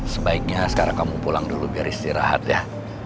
sebaiknya sekarang kamu pulang dulu biar istirahat ya